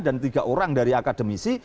dan tiga orang dari akademisi